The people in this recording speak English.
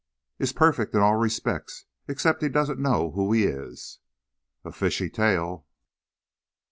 "Is perfect in all respects, except he doesn't know who he is." "A fishy tale!"